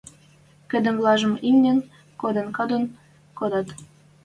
Кыдывлӓжӹм имнин канден-канден кодат.